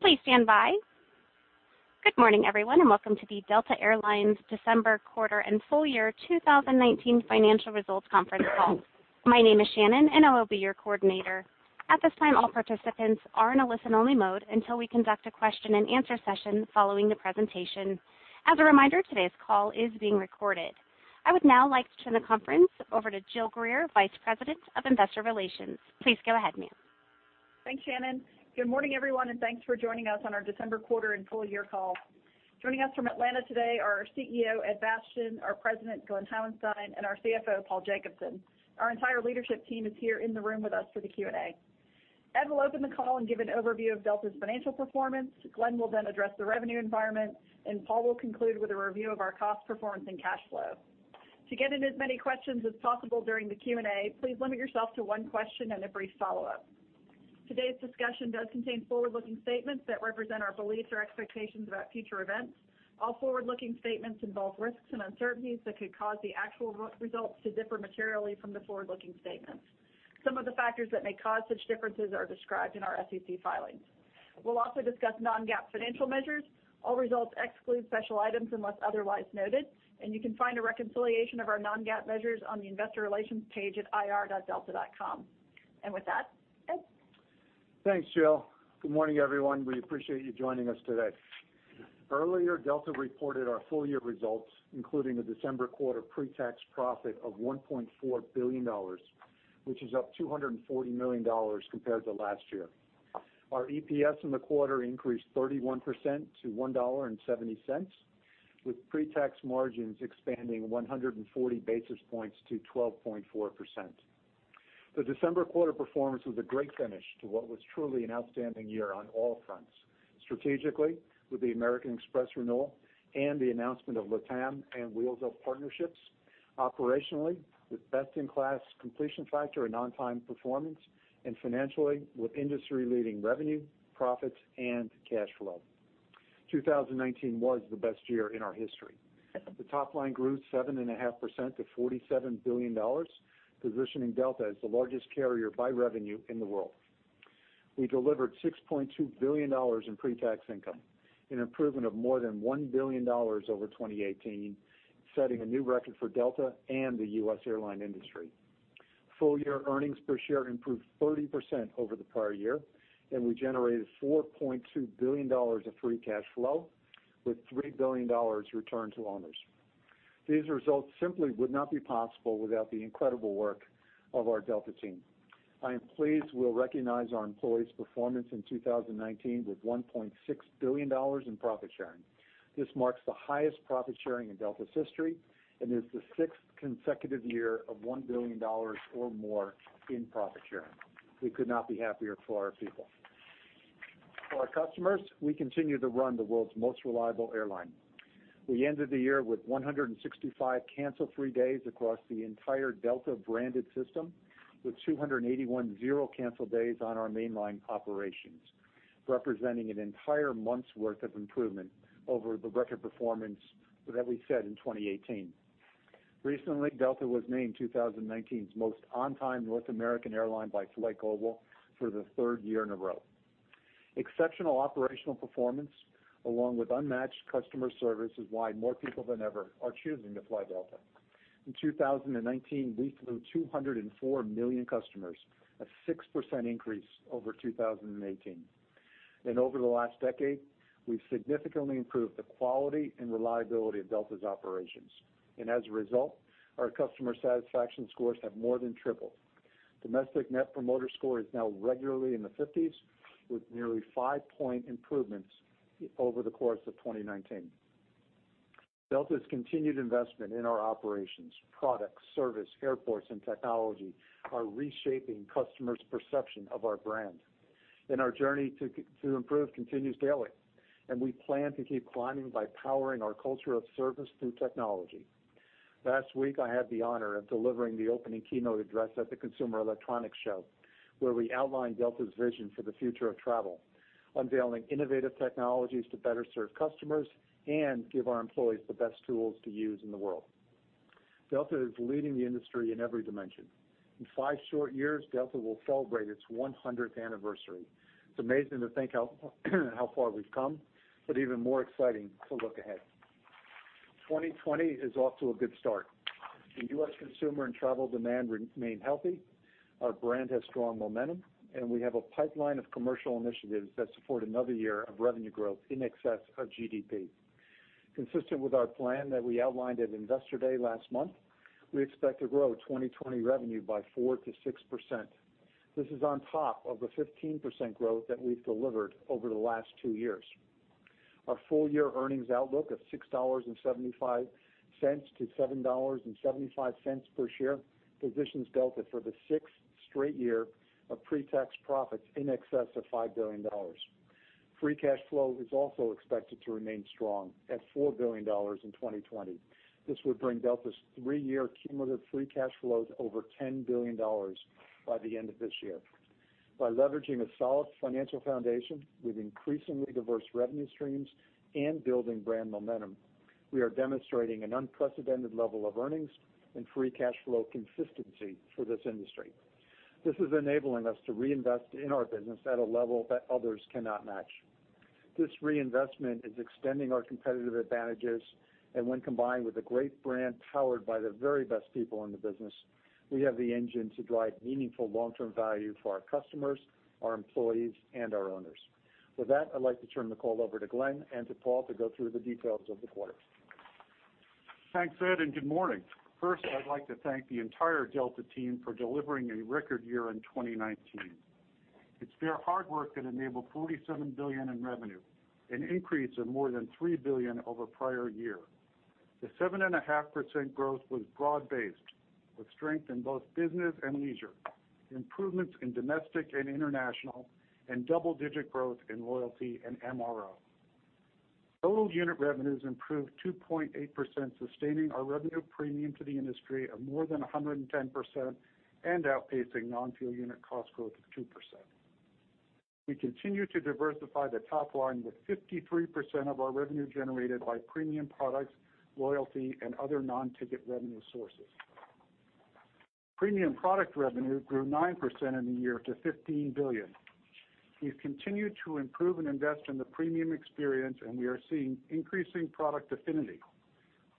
Please stand by. Good morning, everyone, and welcome to the Delta Air Lines December quarter and full year 2019 financial results conference call. My name is Shannon, and I will be your coordinator. At this time, all participants are in a listen-only mode until we conduct a question and answer session following the presentation. As a reminder, today's call is being recorded. I would now like to turn the conference over to Jill Greer, Vice President of Investor Relations. Please go ahead, ma'am. Thanks, Shannon. Good morning, everyone, and thanks for joining us on our December quarter and full year call. Joining us from Atlanta today are our CEO, Ed Bastian, our President, Glen Hauenstein, and our CFO, Paul Jacobson. Our entire leadership team is here in the room with us for the Q&A. Ed will open the call and give an overview of Delta's financial performance. Glen will then address the revenue environment, and Paul will conclude with a review of our cost performance and cash flow. To get in as many questions as possible during the Q&A, please limit yourself to one question and a brief follow-up. Today's discussion does contain forward-looking statements that represent our beliefs or expectations about future events. All forward-looking statements involve risks and uncertainties that could cause the actual results to differ materially from the forward-looking statements. Some of the factors that may cause such differences are described in our SEC filings. We'll also discuss non-GAAP financial measures. All results exclude special items unless otherwise noted. You can find a reconciliation of our non-GAAP measures on the investor relations page at ir.delta.com. With that, Ed. Thanks, Jill. Good morning, everyone. We appreciate you joining us today. Earlier, Delta reported our full-year results, including a December quarter pre-tax profit of $1.4 billion, which is up $240 million compared to last year. Our EPS in the quarter increased 31% to $1.70, with pre-tax margins expanding 140 basis points to 12.4%. The December quarter performance was a great finish to what was truly an outstanding year on all fronts. Strategically, with the American Express renewal and the announcement of LATAM and Wheels Up partnerships. Operationally, with best-in-class completion factor and on-time performance, and financially, with industry-leading revenue, profits, and cash flow. 2019 was the best year in our history. The top line grew 7.5% to $47 billion, positioning Delta as the largest carrier by revenue in the world. We delivered $6.2 billion in pre-tax income, an improvement of more than $1 billion over 2018, setting a new record for Delta and the U.S. airline industry. Full-year earnings per share improved 30% over the prior year, and we generated $4.2 billion of free cash flow with $3 billion returned to owners. These results simply would not be possible without the incredible work of our Delta team. I am pleased we'll recognize our employees' performance in 2019 with $1.6 billion in profit sharing. This marks the highest profit sharing in Delta's history and is the sixth consecutive year of $1 billion or more in profit sharing. We could not be happier for our people. For our customers, we continue to run the world's most reliable airline. We ended the year with 165 cancel-free days across the entire Delta branded system, with 281 zero cancel days on our mainline operations, representing an entire month's worth of improvement over the record performance that we set in 2018. Recently, Delta was named 2019's Most On Time North American Airline by FlightGlobal for the third year in a row. Exceptional operational performance, along with unmatched customer service, is why more people than ever are choosing to fly Delta. In 2019, we flew 204 million customers, a 6% increase over 2018. Over the last decade, we've significantly improved the quality and reliability of Delta's operations. As a result, our customer satisfaction scores have more than tripled. Domestic Net Promoter Score is now regularly in the 50s, with nearly five-point improvements over the course of 2019. Delta's continued investment in our operations, products, service, airports, and technology are reshaping customers' perception of our brand. Our journey to improve continues daily, and we plan to keep climbing by powering our culture of service through technology. Last week, I had the honor of delivering the opening keynote address at the Consumer Electronics Show, where we outlined Delta's vision for the future of travel, unveiling innovative technologies to better serve customers and give our employees the best tools to use in the world. Delta is leading the industry in every dimension. In five short years, Delta will celebrate its 100th anniversary. It's amazing to think how far we've come, but even more exciting to look ahead. 2020 is off to a good start. The U.S. consumer and travel demand remain healthy. Our brand has strong momentum, and we have a pipeline of commercial initiatives that support another year of revenue growth in excess of GDP. Consistent with our plan that we outlined at Investor Day last month, we expect to grow 2020 revenue by 4%-6%. This is on top of the 15% growth that we've delivered over the last two years. Our full-year earnings outlook of $6.75-$7.75 per share positions Delta for the sixth straight year of pre-tax profits in excess of $5 billion. Free cash flow is also expected to remain strong at $4 billion in 2020. This would bring Delta's three-year cumulative free cash flow to over $10 billion by the end of this year. By leveraging a solid financial foundation with increasingly diverse revenue streams and building brand momentum, we are demonstrating an unprecedented level of earnings and free cash flow consistency for this industry. This is enabling us to reinvest in our business at a level that others cannot match. This reinvestment is extending our competitive advantages, and when combined with a great brand powered by the very best people in the business, we have the engine to drive meaningful long-term value for our customers, our employees, and our owners. With that, I'd like to turn the call over to Glen and to Paul to go through the details of the quarter. Thanks, Ed, and good morning. First, I'd like to thank the entire Delta team for delivering a record year in 2019. It's their hard work that enabled $47 billion in revenue, an increase of more than $3 billion over prior year. The 7.5% growth was broad-based, with strength in both business and leisure, improvements in domestic and international, and double-digit growth in loyalty and MRO. Total unit revenues improved 2.8%, sustaining our revenue premium to the industry of more than 110% and outpacing non-fuel unit cost growth of 2%. We continue to diversify the top line, with 53% of our revenue generated by premium products, loyalty, and other non-ticket revenue sources. Premium product revenue grew 9% in the year to $15 billion. We've continued to improve and invest in the premium experience, and we are seeing increasing product affinity.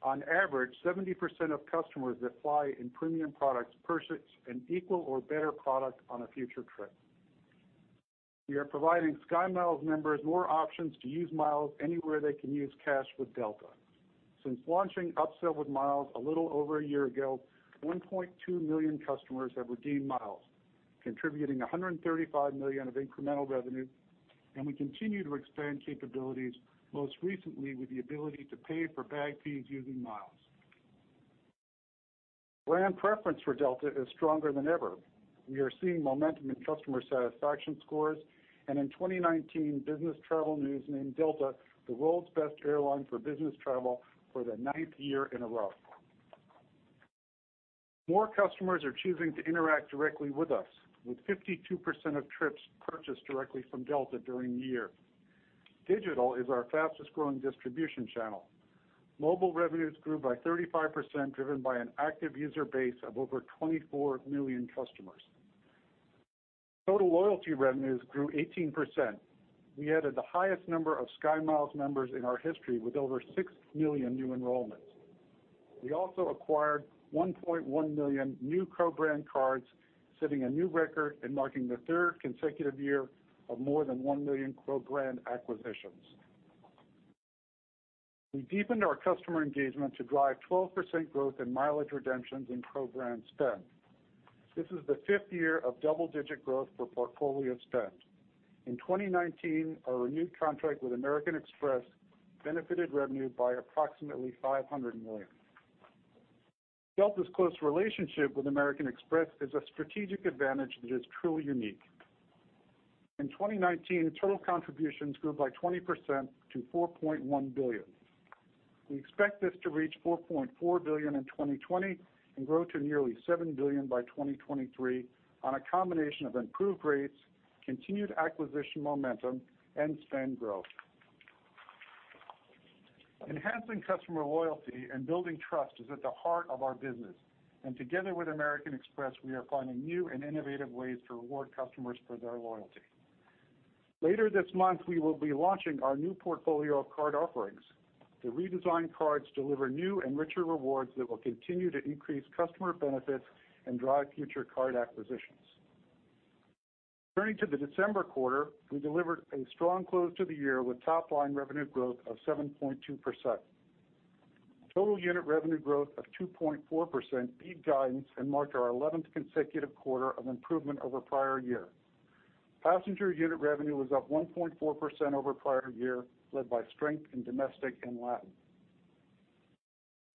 On average, 70% of customers that fly in premium products purchase an equal or better product on a future trip. We are providing SkyMiles members more options to use miles anywhere they can use cash with Delta. Since launching upsell with miles a little over a year ago, 1.2 million customers have redeemed miles, contributing $135 million of incremental revenue, and we continue to expand capabilities, most recently with the ability to pay for bag fees using miles. Brand preference for Delta is stronger than ever. We are seeing momentum in customer satisfaction scores, and in 2019, Business Travel News named Delta the world's best airline for business travel for the ninth year in a row. More customers are choosing to interact directly with us, with 52% of trips purchased directly from Delta during the year. Digital is our fastest growing distribution channel. Mobile revenues grew by 35%, driven by an active user base of over 24 million customers. Total loyalty revenues grew 18%. We added the highest number of SkyMiles members in our history, with over 6 million new enrollments. We also acquired 1.1 million new co-brand cards, setting a new record and marking the third consecutive year of more than 1 million co-brand acquisitions. We deepened our customer engagement to drive 12% growth in mileage redemptions in co-brand spend. This is the fifth year of double-digit growth for portfolio spend. In 2019, our renewed contract with American Express benefited revenue by approximately $500 million. Delta's close relationship with American Express is a strategic advantage that is truly unique. In 2019, total contributions grew by 20% to $4.1 billion. We expect this to reach $4.4 billion in 2020 and grow to nearly $7 billion by 2023 on a combination of improved rates, continued acquisition momentum, and spend growth. Enhancing customer loyalty and building trust is at the heart of our business, and together with American Express, we are finding new and innovative ways to reward customers for their loyalty. Later this month, we will be launching our new portfolio of card offerings. The redesigned cards deliver new and richer rewards that will continue to increase customer benefits and drive future card acquisitions. Turning to the December quarter, we delivered a strong close to the year with top-line revenue growth of 7.2%. Total unit revenue growth of 2.4% beat guidance and marked our 11th consecutive quarter of improvement over prior year. Passenger unit revenue was up 1.4% over prior year, led by strength in domestic and LATAM.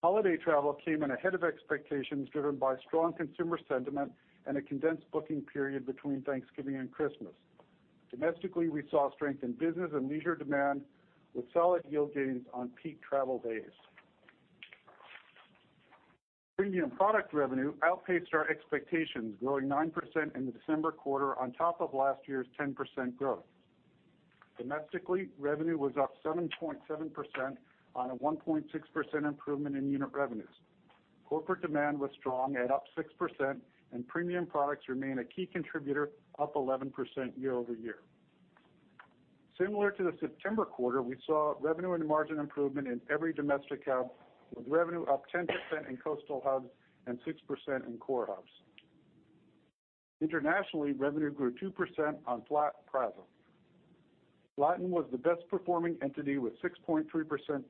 Holiday travel came in ahead of expectations, driven by strong consumer sentiment and a condensed booking period between Thanksgiving and Christmas. Domestically, we saw strength in business and leisure demand with solid yield gains on peak travel days. Premium product revenue outpaced our expectations, growing 9% in the December quarter on top of last year's 10% growth. Domestically, revenue was up 7.7% on a 1.6% improvement in unit revenues. Corporate demand was strong at up 6%, and premium products remain a key contributor, up 11% year-over-year. Similar to the September quarter, we saw revenue and margin improvement in every domestic hub, with revenue up 10% in coastal hubs and 6% in core hubs. Internationally, revenue grew 2% on flat PRASM. Latin was the best performing entity with 6.3%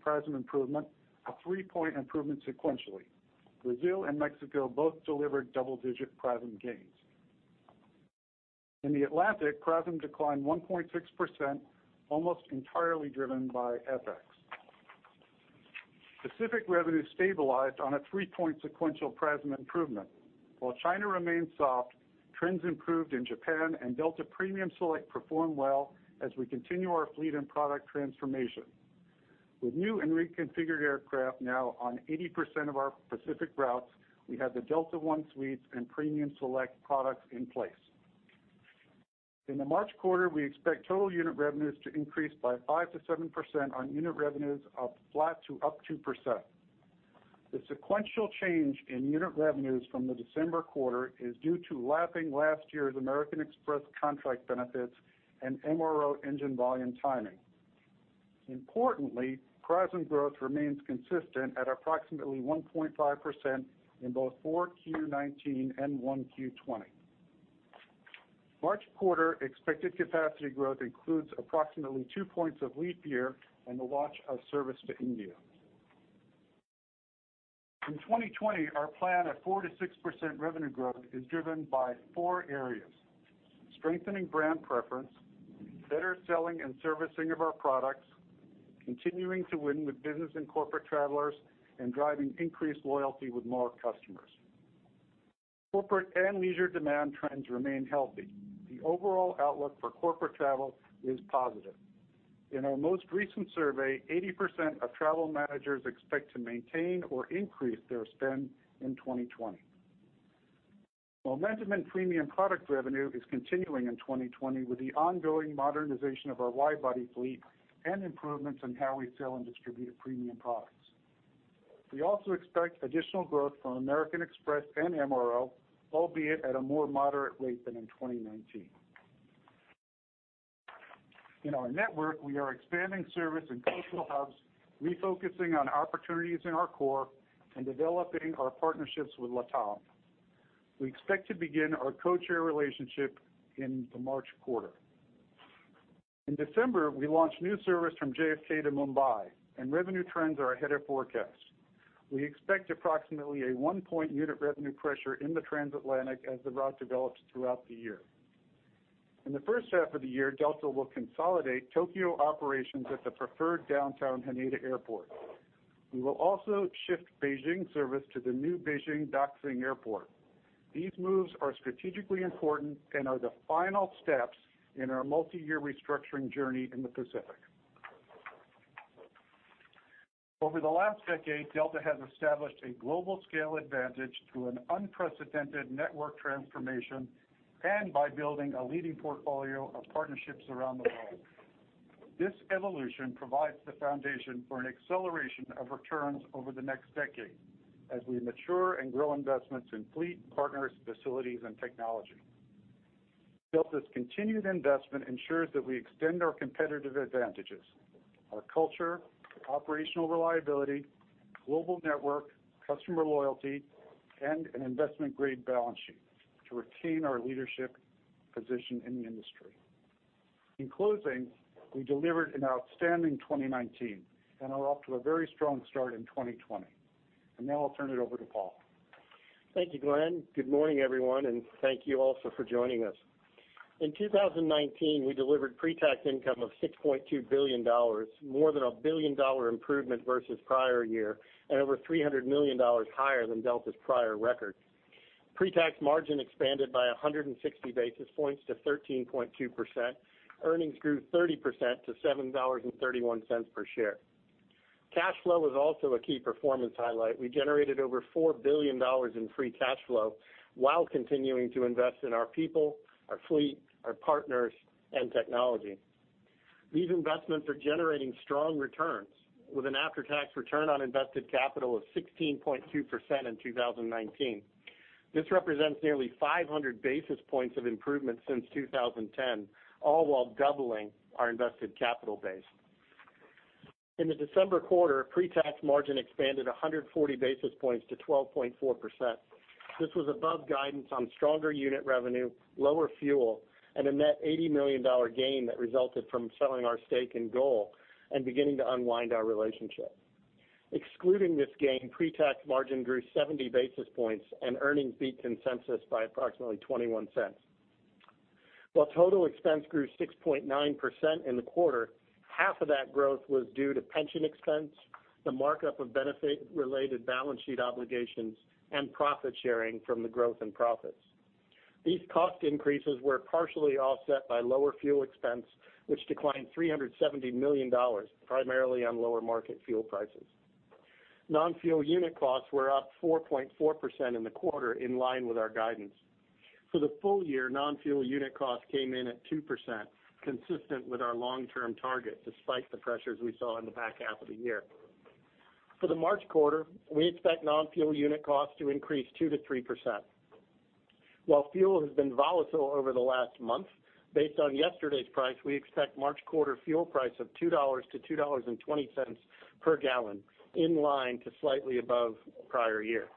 PRASM improvement, a three-point improvement sequentially. Brazil and Mexico both delivered double-digit PRASM gains. In the Atlantic, PRASM declined 1.6%, almost entirely driven by FX. Pacific revenue stabilized on a three-point sequential PRASM improvement. While China remains soft, trends improved in Japan and Delta Premium Select performed well as we continue our fleet and product transformation. With new and reconfigured aircraft now on 80% of our Pacific routes, we have the Delta One suite and Premium Select products in place. In the March quarter, we expect total unit revenues to increase by 5%-7% on unit revenues of flat to up 2%. The sequential change in unit revenues from the December quarter is due to lapping last year's American Express contract benefits and MRO engine volume timing. Importantly, PRASM growth remains consistent at approximately 1.5% in both 4Q19 and 1Q20. March quarter expected capacity growth includes approximately two points of leap year and the launch of service to India. In 2020, our plan at 4%-6% revenue growth is driven by four areas. Strengthening brand preference, better selling and servicing of our products, continuing to win with business and corporate travelers, and driving increased loyalty with more customers. Corporate and leisure demand trends remain healthy. The overall outlook for corporate travel is positive. In our most recent survey, 80% of travel managers expect to maintain or increase their spend in 2020. Momentum in premium product revenue is continuing in 2020 with the ongoing modernization of our wide-body fleet and improvements in how we sell and distribute premium products. We also expect additional growth from American Express and MRO, albeit at a more moderate rate than in 2019. In our network, we are expanding service in coastal hubs, refocusing on opportunities in our core, and developing our partnerships with LATAM. We expect to begin our codeshare relationship in the March quarter. In December, we launched new service from JFK to Mumbai, and revenue trends are ahead of forecast. We expect approximately a one-point unit revenue pressure in the transatlantic as the route develops throughout the year. In the first half of the year, Delta will consolidate Tokyo operations at the preferred downtown Haneda Airport. We will also shift Beijing service to the new Beijing Daxing Airport. These moves are strategically important and are the final steps in our multi-year restructuring journey in the Pacific. Over the last decade, Delta has established a global scale advantage through an unprecedented network transformation and by building a leading portfolio of partnerships around the world. This evolution provides the foundation for an acceleration of returns over the next decade as we mature and grow investments in fleet, partners, facilities, and technology. Delta's continued investment ensures that we extend our competitive advantages, our culture, operational reliability, global network, customer loyalty, and an investment-grade balance sheet to retain our leadership position in the industry. In closing, we delivered an outstanding 2019 and are off to a very strong start in 2020. Now I'll turn it over to Paul. Thank you, Glen. Good morning, everyone, and thank you also for joining us. In 2019, we delivered pre-tax income of $6.2 billion, more than a billion-dollar improvement versus prior year and over $300 million higher than Delta's prior record. Pre-tax margin expanded by 160 basis points to 13.2%. Earnings grew 30% to $7.31 per share. Cash flow was also a key performance highlight. We generated over $4 billion in free cash flow while continuing to invest in our people, our fleet, our partners, and technology. These investments are generating strong returns with an after-tax return on invested capital of 16.2% in 2019. This represents nearly 500 basis points of improvement since 2010, all while doubling our invested capital base. In the December quarter, pre-tax margin expanded 140 basis points to 12.4%. This was above guidance on stronger unit revenue, lower fuel, and a net $80 million gain that resulted from selling our stake in GOL and beginning to unwind our relationship. Excluding this gain, pre-tax margin grew 70 basis points and earnings beat consensus by approximately $0.21. While total expense grew 6.9% in the quarter, half of that growth was due to pension expense, the markup of benefit-related balance sheet obligations, and profit sharing from the growth in profits. These cost increases were partially offset by lower fuel expense, which declined $370 million, primarily on lower market fuel prices. Non-fuel unit costs were up 4.4% in the quarter in line with our guidance. For the full year, non-fuel unit cost came in at 2%, consistent with our long-term target, despite the pressures we saw in the back half of the year. For the March quarter, we expect non-fuel unit cost to increase 2%-3%. While fuel has been volatile over the last month, based on yesterday's price, we expect March quarter fuel price of $2-$2.20 per gallon, in line to slightly above prior year.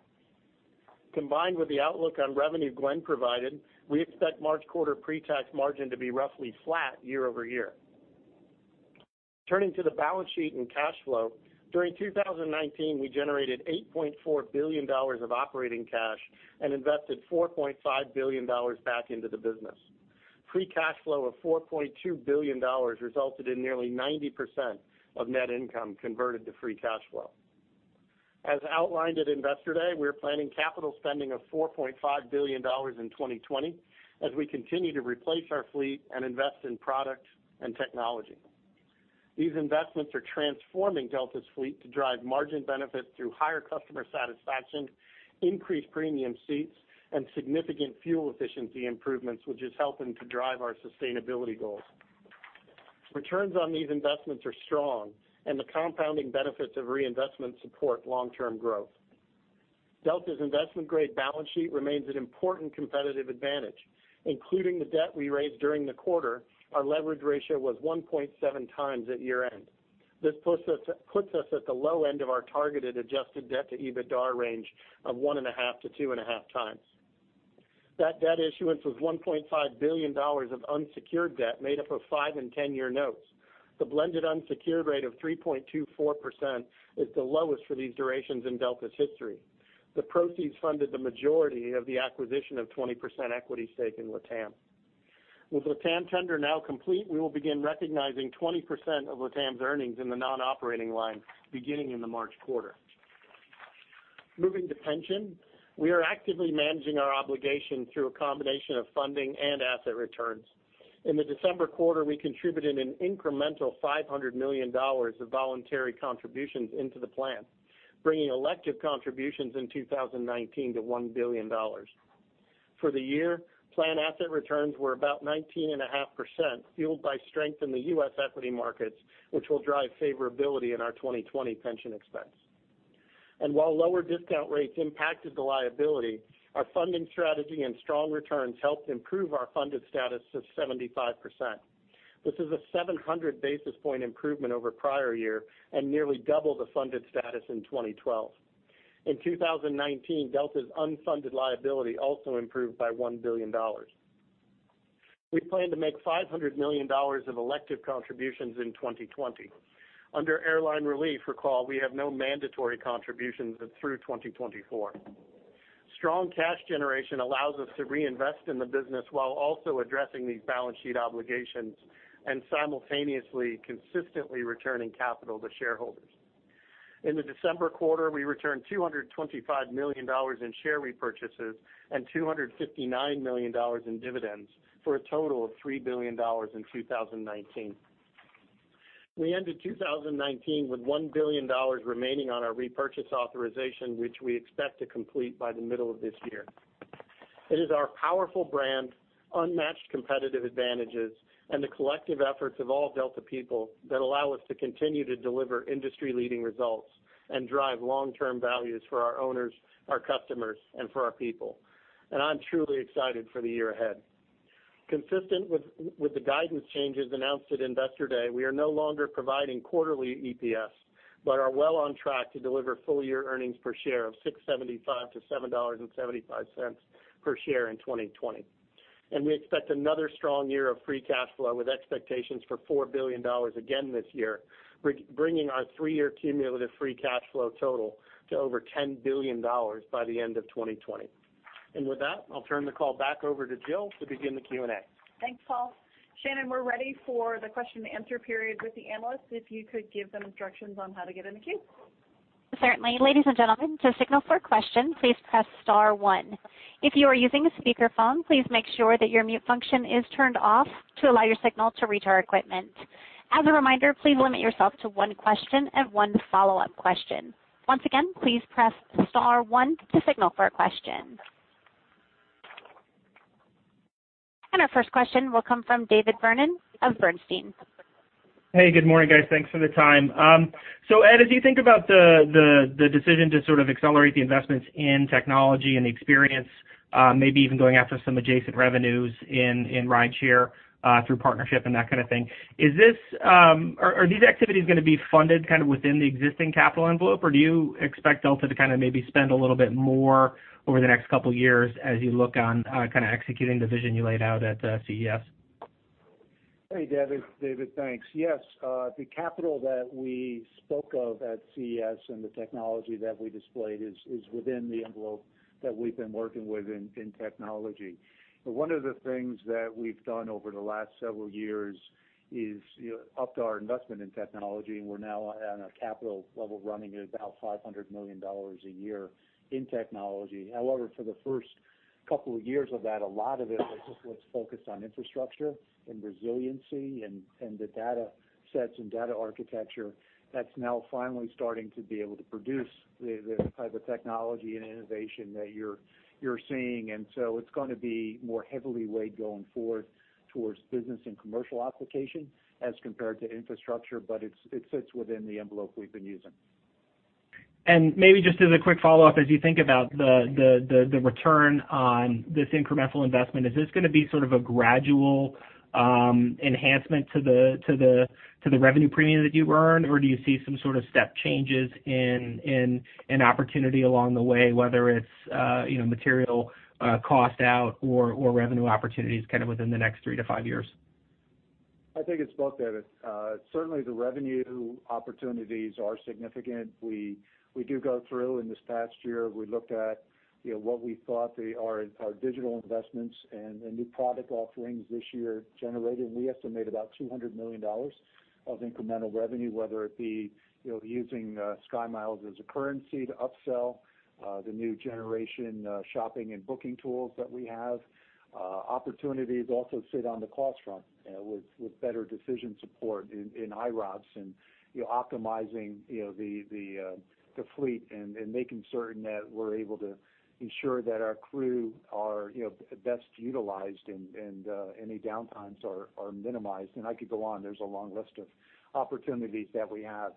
Combined with the outlook on revenue Glen provided, we expect March quarter pre-tax margin to be roughly flat year-over-year. Turning to the balance sheet and cash flow, during 2019, we generated $8.4 billion of operating cash and invested $4.5 billion back into the business. Free cash flow of $4.2 billion resulted in nearly 90% of net income converted to free cash flow. As outlined at Investor Day, we're planning capital spending of $4.5 billion in 2020 as we continue to replace our fleet and invest in products and technology. These investments are transforming Delta's fleet to drive margin benefits through higher customer satisfaction, increased premium seats, and significant fuel efficiency improvements, which is helping to drive our sustainability goals. Returns on these investments are strong, and the compounding benefits of reinvestment support long-term growth. Delta's investment-grade balance sheet remains an important competitive advantage. Including the debt we raised during the quarter, our leverage ratio was 1.7 times at year-end. This puts us at the low end of our targeted adjusted debt to EBITDA range of one and a half to two and a half times. That debt issuance was $1.5 billion of unsecured debt made up of five and 10-year notes. The blended unsecured rate of 3.24% is the lowest for these durations in Delta's history. The proceeds funded the majority of the acquisition of 20% equity stake in LATAM. With LATAM tender now complete, we will begin recognizing 20% of LATAM's earnings in the non-operating line beginning in the March quarter. Moving to pension, we are actively managing our obligation through a combination of funding and asset returns. In the December quarter, we contributed an incremental $500 million of voluntary contributions into the plan, bringing elective contributions in 2019 to $1 billion. For the year, plan asset returns were about 19.5%, fueled by strength in the U.S. equity markets, which will drive favorability in our 2020 pension expense. While lower discount rates impacted the liability, our funding strategy and strong returns helped improve our funded status to 75%. This is a 700 basis point improvement over prior year and nearly double the funded status in 2012. In 2019, Delta's unfunded liability also improved by $1 billion. We plan to make $500 million of elective contributions in 2020. Under airline relief, recall, we have no mandatory contributions through 2024. Strong cash generation allows us to reinvest in the business while also addressing these balance sheet obligations and simultaneously, consistently returning capital to shareholders. In the December quarter, we returned $225 million in share repurchases and $259 million in dividends, for a total of $3 billion in 2019. We ended 2019 with $1 billion remaining on our repurchase authorization, which we expect to complete by the middle of this year. It is our powerful brand, unmatched competitive advantages, and the collective efforts of all Delta people that allow us to continue to deliver industry-leading results and drive long-term values for our owners, our customers, and for our people. I'm truly excited for the year ahead. Consistent with the guidance changes announced at Investor Day, we are no longer providing quarterly EPS, but are well on track to deliver full-year earnings per share of $6.75-$7.75 per share in 2020. We expect another strong year of free cash flow, with expectations for $4 billion again this year, bringing our three-year cumulative free cash flow total to over $10 billion by the end of 2020. With that, I'll turn the call back over to Jill to begin the Q&A. Thanks, Paul. Shannon, we're ready for the question and answer period with the analysts. If you could give them instructions on how to get in the queue. Certainly. Ladies and gentlemen, to signal for a question, please press star one. If you are using a speakerphone, please make sure that your mute function is turned off to allow your signal to reach our equipment. As a reminder, please limit yourself to one question and one follow-up question. Once again, please press star one to signal for a question. Our first question will come from David Vernon of Bernstein. Hey, good morning, guys. Thanks for the time. Ed, as you think about the decision to sort of accelerate the investments in technology and the experience, maybe even going after some adjacent revenues in rideshare through partnership and that kind of thing, are these activities going to be funded kind of within the existing capital envelope, or do you expect Delta to kind of maybe spend a little bit more over the next couple of years as you look on kind of executing the vision you laid out at CES? Hey, David. Thanks. Yes. The capital that we spoke of at CES and the technology that we displayed is within the envelope that we've been working with in technology. One of the things that we've done over the last several years is upped our investment in technology, and we're now on a capital level running at about $500 million a year in technology. However, for the first couple of years of that, a lot of it was just let's focus on infrastructure and resiliency and the data sets and data architecture that's now finally starting to be able to produce the type of technology and innovation that you're seeing. It's going to be more heavily weighed going forward towards business and commercial application as compared to infrastructure, but it sits within the envelope we've been using. Maybe just as a quick follow-up, as you think about the return on this incremental investment, is this going to be sort of a gradual enhancement to the revenue premium that you earn? Or do you see some sort of step changes in opportunity along the way, whether it's material cost out or revenue opportunities kind of within the next three to five years? I think it's both, David. Certainly, the revenue opportunities are significant. We do go through. In this past year, we looked at What we thought our digital investments and new product offerings this year generated, we estimate about $200 million of incremental revenue, whether it be using SkyMiles as a currency to upsell the new generation shopping and booking tools that we have. Opportunities also sit on the cost front with better decision support in IROPS and optimizing the fleet and making certain that we're able to ensure that our crew are best utilized and any downtimes are minimized. I could go on. There's a long list of opportunities that we have.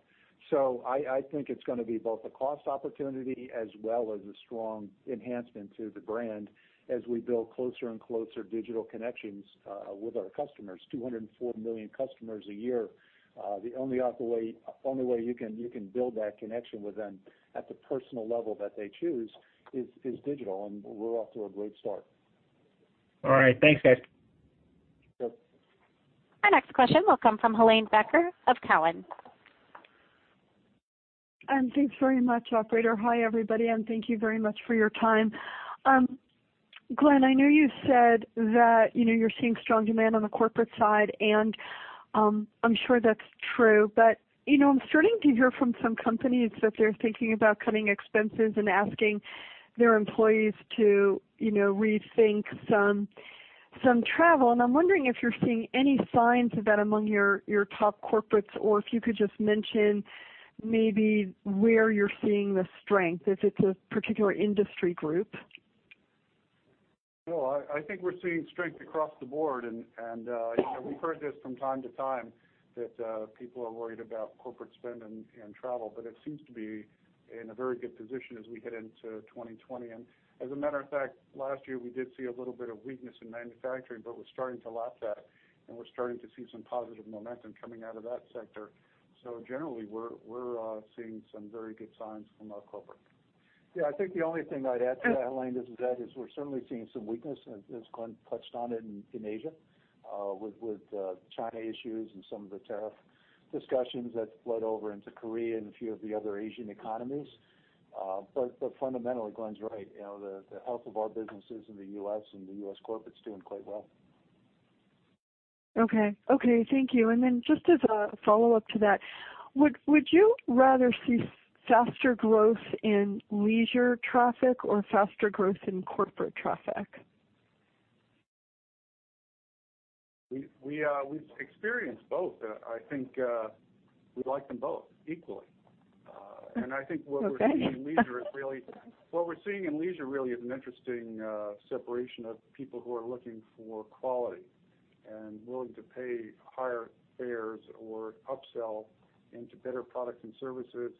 I think it's going to be both a cost opportunity as well as a strong enhancement to the brand as we build closer and closer digital connections with our customers, 204 million customers a year. The only other way you can build that connection with them at the personal level that they choose is digital, and we're off to a great start. All right. Thanks, guys. Sure. Our next question will come from Helane Becker of Cowen. Thanks very much, operator. Hi everybody. Thank you very much for your time. Glen, I know you said that you're seeing strong demand on the corporate side. I'm sure that's true. I'm starting to hear from some companies that they're thinking about cutting expenses and asking their employees to rethink some travel. I'm wondering if you're seeing any signs of that among your top corporates, if you could just mention maybe where you're seeing the strength, if it's a particular industry group. I think we're seeing strength across the board. We've heard this from time to time that people are worried about corporate spend in travel. It seems to be in a very good position as we head into 2020. As a matter of fact, last year, we did see a little bit of weakness in manufacturing. We're starting to lap that. We're starting to see some positive momentum coming out of that sector. Generally, we're seeing some very good signs from our corporate. I think the only thing I'd add to that, Helane, is that we're certainly seeing some weakness, as Glen touched on it, in Asia with China issues and some of the tariff discussions that bled over into Korea and a few of the other Asian economies. Fundamentally, Glen's right. The health of our businesses in the U.S. and the U.S. corporate's doing quite well. Okay. Thank you. Just as a follow-up to that, would you rather see faster growth in leisure traffic or faster growth in corporate traffic? We've experienced both. I think we like them both equally. Okay seeing in leisure really is an interesting separation of people who are looking for quality and willing to pay higher fares or upsell into better products and services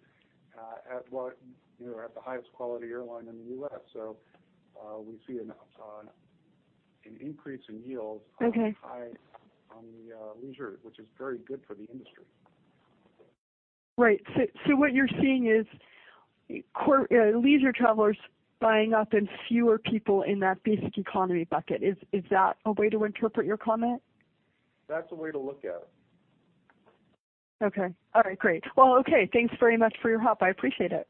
at the highest quality airline in the U.S. We see an increase in yields. Okay on the leisure, which is very good for the industry. Right. What you're seeing is leisure travelers buying up and fewer people in that Basic Economy bucket. Is that a way to interpret your comment? That's a way to look at it. Okay. All right, great. Well, okay, thanks very much for your help. I appreciate it.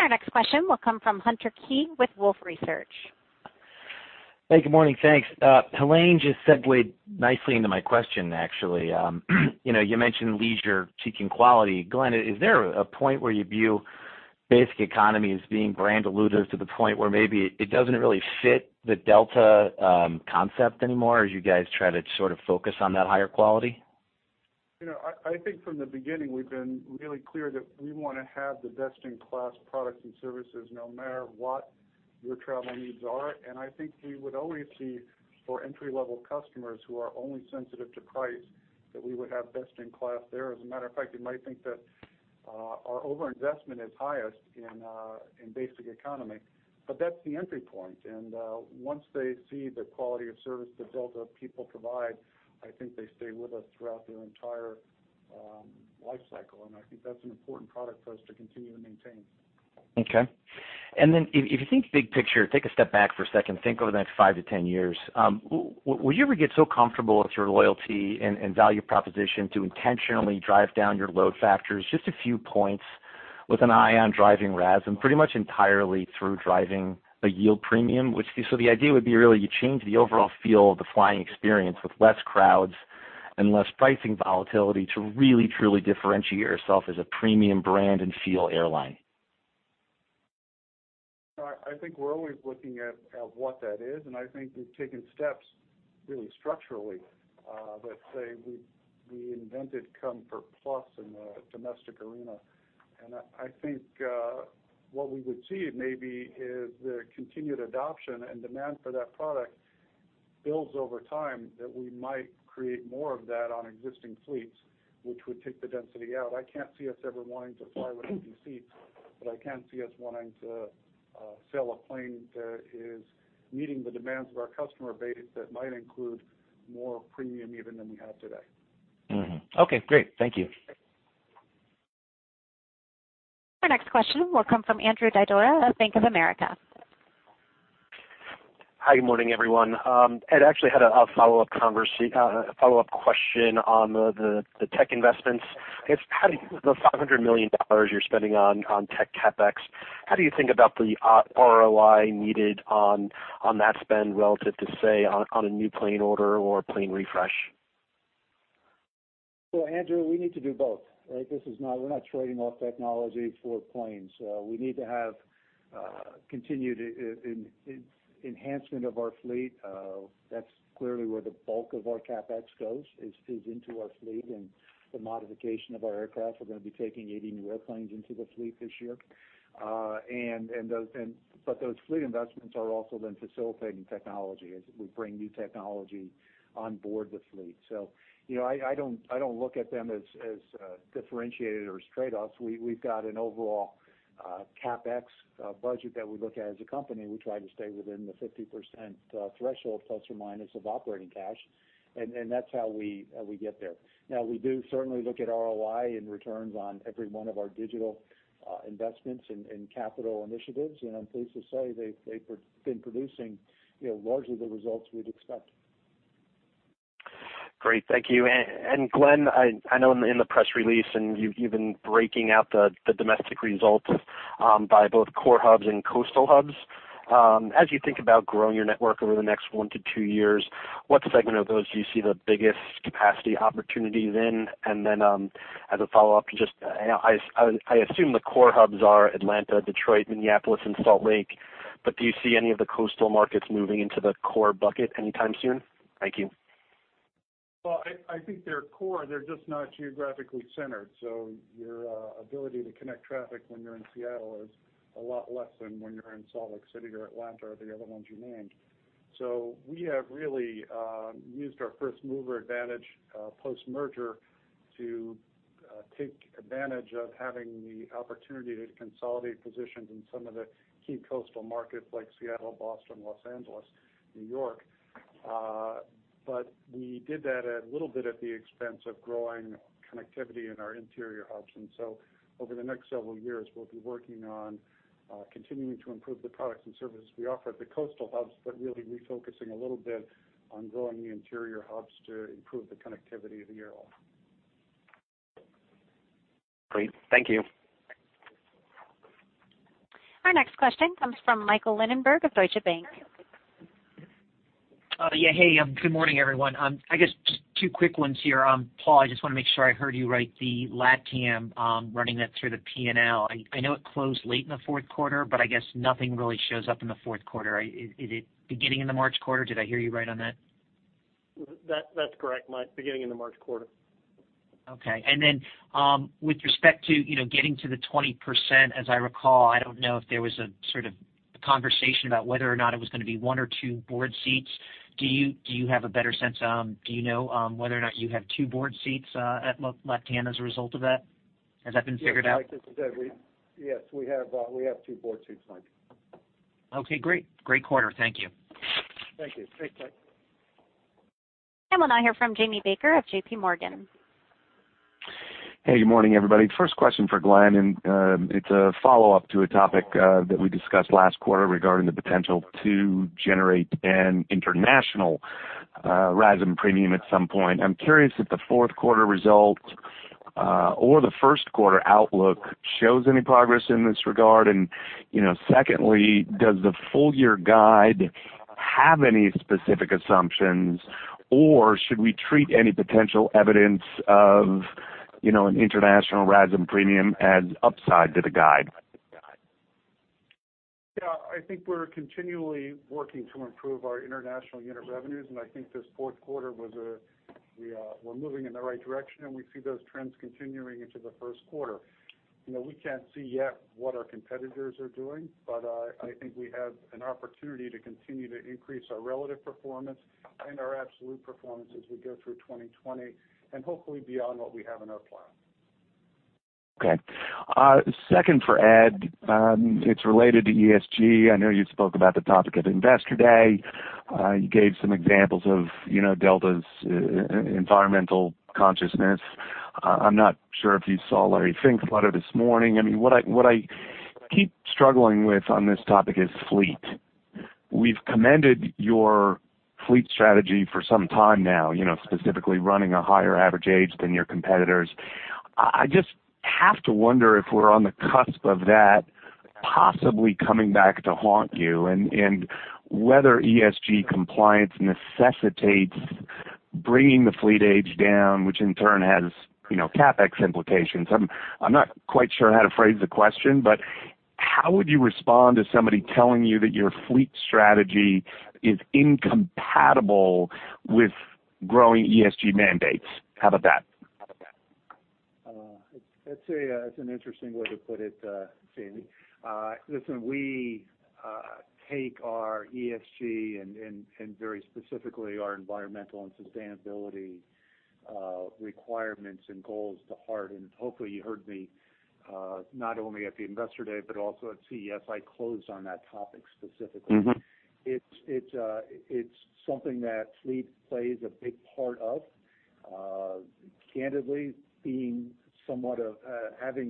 Our next question will come from Hunter Keay with Wolfe Research. Hey, good morning, thanks. Helane just segued nicely into my question, actually. You mentioned leisure seeking quality. Glen, is there a point where you view Basic Economy as being brand dilutive to the point where maybe it doesn't really fit the Delta concept anymore as you guys try to sort of focus on that higher quality? I think from the beginning, we've been really clear that we want to have the best-in-class products and services no matter what your travel needs are. I think we would always see for entry-level customers who are only sensitive to price, that we would have best in class there. As a matter of fact, you might think that our over-investment is highest in Basic Economy, but that's the entry point. Once they see the quality of service the Delta people provide, I think they stay with us throughout their entire life cycle. I think that's an important product for us to continue to maintain. Okay. If you think big picture, take a step back for a second, think over the next 5 to 10 years. Will you ever get so comfortable with your loyalty and value proposition to intentionally drive down your load factors just a few points with an eye on driving RASM pretty much entirely through driving a yield premium? The idea would be really you change the overall feel of the flying experience with less crowds and less pricing volatility to really, truly differentiate yourself as a premium brand and feel airline. I think we're always looking at what that is, I think we've taken steps really structurally that say we invented Comfort+ in the domestic arena. I think what we would see maybe is the continued adoption and demand for that product builds over time, that we might create more of that on existing fleets, which would take the density out. I can't see us ever wanting to fly with empty seats, but I can see us wanting to sell a plane that is meeting the demands of our customer base that might include more premium even than we have today. Okay, great. Thank you. Sure. Our next question will come from Andrew Didora of Bank of America. Hi, good morning, everyone. Ed, actually had a follow-up question on the tech investments. I guess, the $500 million you're spending on tech CapEx, how do you think about the ROI needed on that spend relative to, say, on a new plane order or a plane refresh? Andrew, we need to do both, right? We're not trading off technology for planes. We need to have continued enhancement of our fleet. That's clearly where the bulk of our CapEx goes, is into our fleet and the modification of our aircraft. We're going to be taking 80 new airplanes into the fleet this year. Those fleet investments are also then facilitating technology as we bring new technology on board the fleet. I don't look at them as differentiated or as trade-offs. We've got an overall CapEx budget that we look at as a company. We try to stay within the 50% threshold, ±, of operating cash, and that's how we get there. We do certainly look at ROI and returns on every one of our digital investments in capital initiatives, and I'm pleased to say they've been producing largely the results we'd expect. Great. Thank you. Glen, I know in the press release, and you've been breaking out the domestic results by both core hubs and coastal hubs. As you think about growing your network over the next one to two years, what segment of those do you see the biggest capacity opportunities in? As a follow-up, I assume the core hubs are Atlanta, Detroit, Minneapolis, and Salt Lake, but do you see any of the coastal markets moving into the core bucket anytime soon? Thank you. Well, I think they're core, they're just not geographically centered. Your ability to connect traffic when you're in Seattle is a lot less than when you're in Salt Lake City or Atlanta or the other ones you named. We have really used our first-mover advantage post-merger to take advantage of having the opportunity to consolidate positions in some of the key coastal markets like Seattle, Boston, Los Angeles, New York. We did that a little bit at the expense of growing connectivity in our interior hubs. Over the next several years, we'll be working on continuing to improve the products and services we offer at the coastal hubs, but really refocusing a little bit on growing the interior hubs to improve the connectivity of the airline. Great. Thank you. Our next question comes from Michael Linenberg of Deutsche Bank. Good morning, everyone. I guess just two quick ones here. Paul, I just want to make sure I heard you right, the LATAM, running that through the P&L. I know it closed late in the fourth quarter, but I guess nothing really shows up in the fourth quarter. Is it beginning in the March quarter? Did I hear you right on that? That's correct, Mike. Beginning in the March quarter. Okay. With respect to getting to the 20%, as I recall, I don't know if there was a sort of conversation about whether or not it was going to be one or two board seats. Do you have a better sense? Do you know whether or not you have two board seats at LATAM as a result of that? Has that been figured out? Yes, Mike, as you said, we have two board seats, Mike. Okay, great. Great quarter. Thank you. Thank you. Thanks, Mike. We'll now hear from Jamie Baker of JPMorgan. Hey, good morning, everybody. First question for Glen, it's a follow-up to a topic that we discussed last quarter regarding the potential to generate an international RASM premium at some point. I'm curious if the fourth quarter results or the first quarter outlook shows any progress in this regard. Secondly, does the full-year guide have any specific assumptions, or should we treat any potential evidence of an international RASM premium as upside to the guide? Yeah, I think we're continually working to improve our international unit revenues, and I think this fourth quarter we're moving in the right direction, and we see those trends continuing into the first quarter. We can't see yet what our competitors are doing, but I think we have an opportunity to continue to increase our relative performance and our absolute performance as we go through 2020, and hopefully beyond what we have in our plan. Okay. Second for Ed. It's related to ESG. I know you spoke about the topic at Investor Day. You gave some examples of Delta's environmental consciousness. I'm not sure if you saw Larry Fink's letter this morning. What I keep struggling with on this topic is fleet. We've commended your fleet strategy for some time now, specifically running a higher average age than your competitors. I just have to wonder if we're on the cusp of that possibly coming back to haunt you, and whether ESG compliance necessitates bringing the fleet age down, which in turn has CapEx implications. I'm not quite sure how to phrase the question, but how would you respond to somebody telling you that your fleet strategy is incompatible with growing ESG mandates? How about that? That's an interesting way to put it, Jamie. Listen, we take our ESG, and very specifically our environmental and sustainability requirements and goals to heart. Hopefully you heard me, not only at the Investor Day, but also at CES, I closed on that topic specifically. It's something that fleet plays a big part of. Candidly, having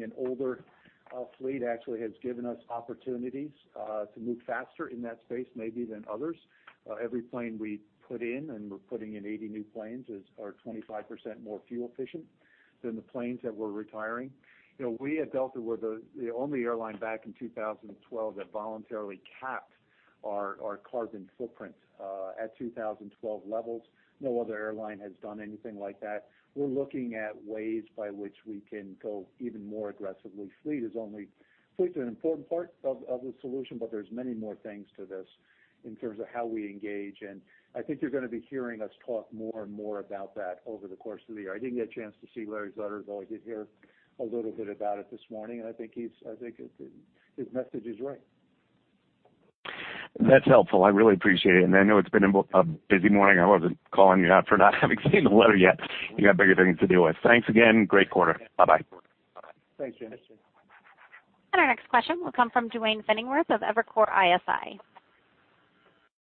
an older fleet actually has given us opportunities to move faster in that space, maybe than others. Every plane we put in, and we're putting in 80 new planes, are 25% more fuel efficient than the planes that we're retiring. We at Delta were the only airline back in 2012 that voluntarily capped our carbon footprint at 2012 levels. No other airline has done anything like that. We're looking at ways by which we can go even more aggressively. Fleet is an important part of the solution, but there's many more things to this in terms of how we engage, and I think you're going to be hearing us talk more and more about that over the course of the year. I didn't get a chance to see Larry's letters, although I did hear a little bit about it this morning, and I think his message is right. That's helpful. I really appreciate it. I know it's been a busy morning. I wasn't calling you out for not having seen the letter yet. You've got bigger things to deal with. Thanks again. Great quarter. Bye-bye. Thanks, Jamie. Our next question will come from Duane Pfennigwerth of Evercore ISI.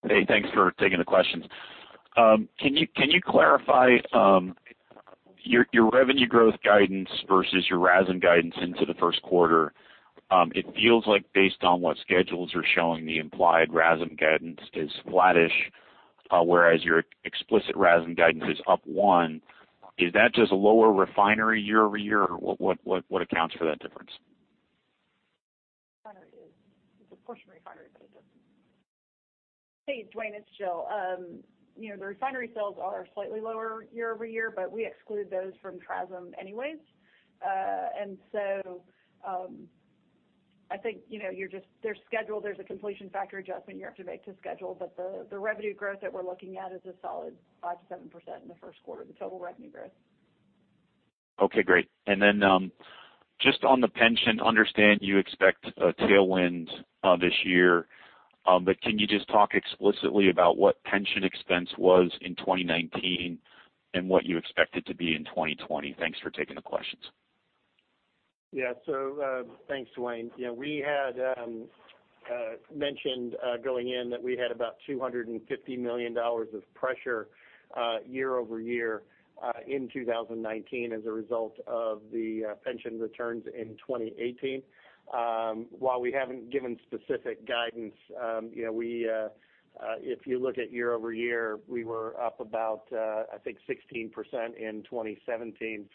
Hey, thanks for taking the questions. Can you clarify your revenue growth guidance versus your RASM guidance into the first quarter? It feels like based on what schedules are showing, the implied RASM guidance is flattish, whereas your explicit RASM guidance is up one. Is that just a lower refinery year-over-year, or what accounts for that difference? It's a portion refinery. Hey, Duane, it's Jill. The refinery sales are slightly lower year-over-year, but we exclude those from TRASM anyways. I think, there's schedule, there's a completion factor adjustment you have to make to schedule, but the revenue growth that we're looking at is a solid 5%-7% in the first quarter, the total revenue growth. Okay, great. Just on the pension, understand you expect a tailwind this year. Can you just talk explicitly about what pension expense was in 2019 and what you expect it to be in 2020? Thanks for taking the questions. Thanks, Duane. We had mentioned going in that we had about $250 million of pressure year-over-year in 2019 as a result of the pension returns in 2018. While we haven't given specific guidance, if you look at year-over-year, we were up about, I think, 16% in 2017.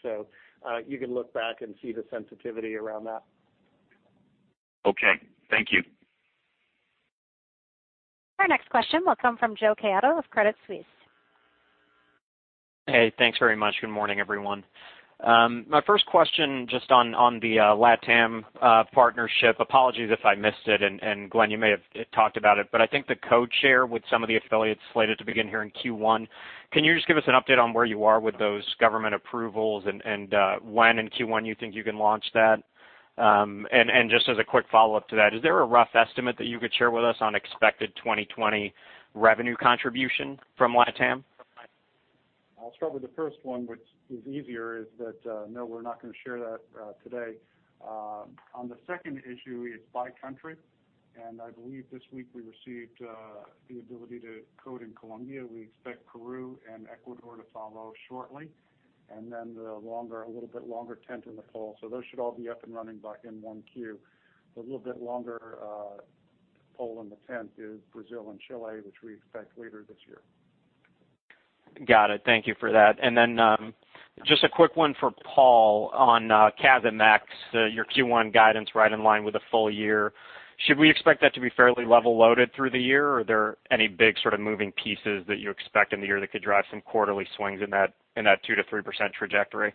You can look back and see the sensitivity around that. Okay. Thank you. Our next question will come from Jose Caiado of Credit Suisse. Hey, thanks very much. Good morning, everyone. My first question, just on the LATAM partnership. Apologies if I missed it, and Glen, you may have talked about it, but I think the code share with some of the affiliates slated to begin here in Q1. Can you just give us an update on where you are with those government approvals, and when in Q1 you think you can launch that? Just as a quick follow-up to that, is there a rough estimate that you could share with us on expected 2020 revenue contribution from LATAM? I'll start with the first one, which is easier, is that no, we're not going to share that today. On the second issue, it's by country. I believe this week we received the ability to code in Colombia. We expect Peru and Ecuador to follow shortly. A little bit longer pole in the tent. Those should all be up and running by in 1Q. A little bit longer pole in the tent is Brazil and Chile, which we expect later this year. Got it. Thank you for that. Just a quick one for Paul on CASM-Ex, your Q1 guidance right in line with the full year. Should we expect that to be fairly level loaded through the year, or are there any big sort of moving pieces that you expect in the year that could drive some quarterly swings in that 2%-3% trajectory?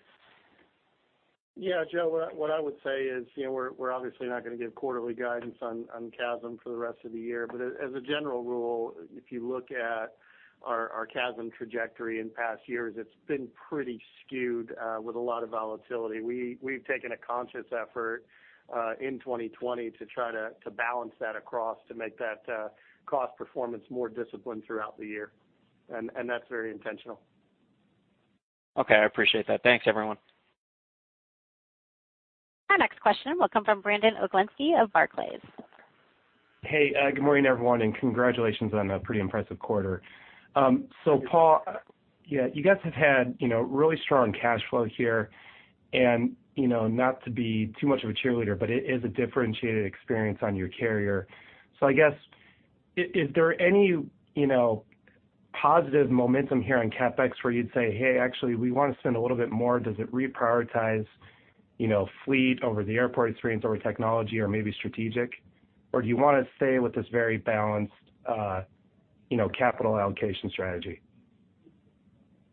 Yeah, Jose, what I would say is we're obviously not going to give quarterly guidance on CASM for the rest of the year. As a general rule, if you look at our CASM trajectory in past years, it's been pretty skewed with a lot of volatility. We've taken a conscious effort in 2020 to try to balance that across to make that cost performance more disciplined throughout the year. That's very intentional. Okay. I appreciate that. Thanks, everyone. Our next question will come from Brandon Oglenski of Barclays. Hey, good morning, everyone, and congratulations on a pretty impressive quarter. Paul, you guys have had really strong cash flow here, and not to be too much of a cheerleader, but it is a differentiated experience on your carrier. I guess, is there any positive momentum here on CapEx where you'd say, "Hey, actually, we want to spend a little bit more." Does it reprioritize fleet over the airport experience over technology or maybe strategic? Do you want to stay with this very balanced capital allocation strategy?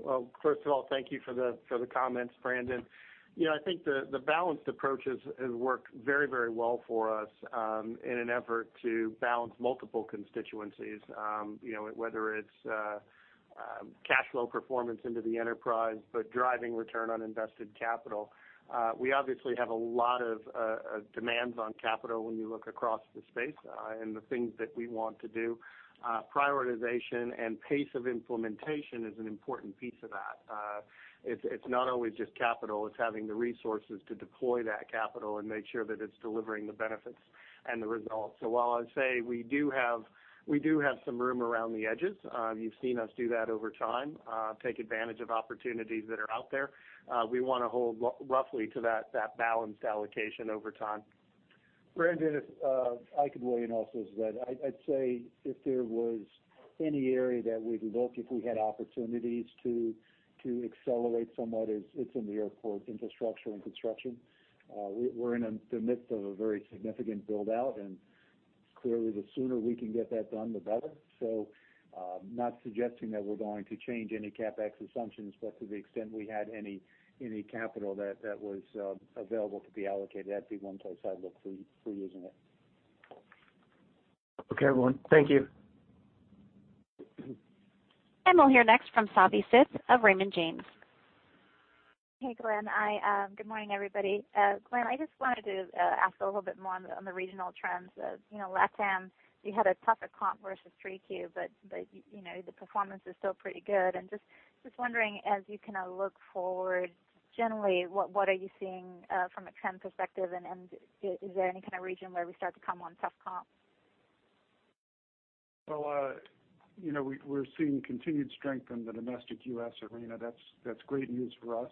Well, first of all, thank you for the comments, Brandon. I think the balanced approach has worked very well for us in an effort to balance multiple constituencies. Whether it's cash flow performance into the enterprise, but driving return on invested capital. We obviously have a lot of demands on capital when you look across the space, and the things that we want to do. Prioritization and pace of implementation is an important piece of that. It's not always just capital, it's having the resources to deploy that capital and make sure that it's delivering the benefits and the results. While I'd say we do have some room around the edges. You've seen us do that over time, take advantage of opportunities that are out there. We want to hold roughly to that balanced allocation over time. Brandon, if I could weigh in also as that. I'd say if there was any area that we'd look if we had opportunities to accelerate somewhat, it's in the airport infrastructure and construction. Clearly the sooner we can get that done, the better. Not suggesting that we're going to change any CapEx assumptions, but to the extent we had any capital that was available to be allocated, that'd be one place I'd look for using it. Okay, everyone. Thank you. We'll hear next from Savanthi Syth of Raymond James. Hey, Glen. Good morning, everybody. Glen, I just wanted to ask a little bit more on the regional trends. LATAM, you had a tougher comp versus 3Q, but the performance is still pretty good. Just wondering, as you kind of look forward, generally, what are you seeing from a trend perspective, and is there any kind of region where we start to come on tough comps? Well, we're seeing continued strength in the domestic U.S. arena. That's great news for us.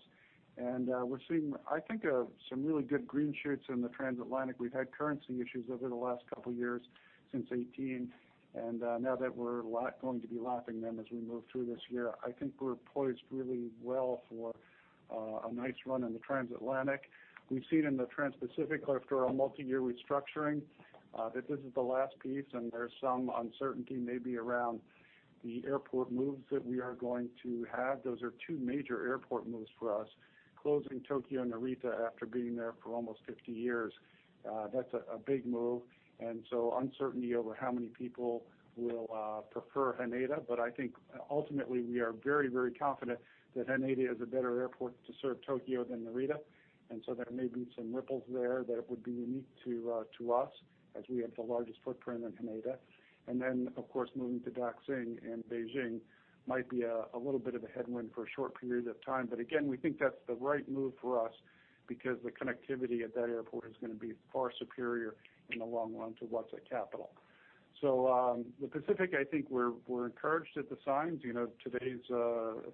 We're seeing, I think, some really good green shoots in the transatlantic. We've had currency issues over the last couple of years since 2018. Now that we're going to be lapping them as we move through this year, I think we're poised really well for a nice run in the transatlantic. We've seen in the transpacific, after a multi-year restructuring, that this is the last piece, and there's some uncertainty maybe around the airport moves that we are going to have. Those are two major airport moves for us, closing Tokyo Narita after being there for almost 50 years. That's a big move. Uncertainty over how many people will prefer Haneda. I think ultimately we are very confident that Haneda is a better airport to serve Tokyo than Narita. There may be some ripples there that would be unique to us as we have the largest footprint in Haneda. Moving to Daxing in Beijing might be a little bit of a headwind for a short period of time. Again, we think that's the right move for us because the connectivity at that airport is going to be far superior in the long run to what's at Capital Airport. The Pacific, I think we're encouraged at the signs. Today's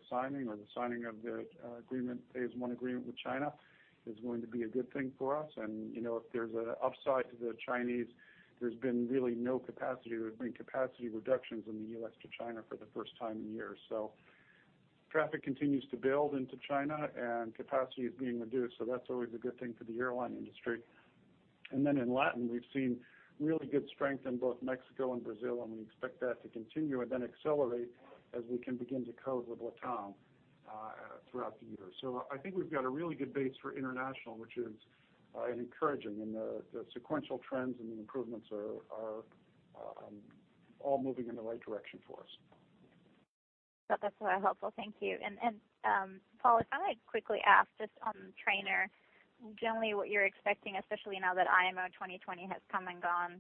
signing or the signing of the agreement, phase one agreement with China is going to be a good thing for us. If there's an upside to the Chinese, there's been really no capacity reductions in the U.S. to China for the first time in years. Traffic continues to build into China, and capacity is being reduced, so that's always a good thing for the airline industry. In Latin, we've seen really good strength in both Mexico and Brazil, and we expect that to continue and then accelerate as we can begin to code with LATAM throughout the year. I think we've got a really good base for international, which is encouraging, and the sequential trends and the improvements are all moving in the right direction for us. That's very helpful. Thank you. Paul, if I might quickly ask just on Trainer, generally what you're expecting, especially now that IMO 2020 has come and gone,